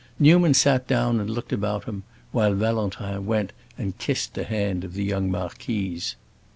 Newman sat down and looked about him, while Valentin went and kissed the hand of the young marquise.